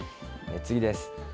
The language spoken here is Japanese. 次です。